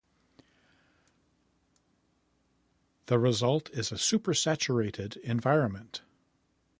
The result is a supersaturated environment.